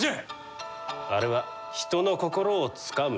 あれは人の心をつかむ天才じゃ。